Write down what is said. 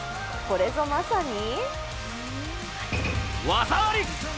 これぞまさに。